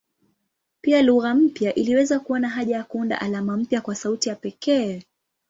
Pia lugha mpya iliweza kuona haja ya kuunda alama mpya kwa sauti ya pekee.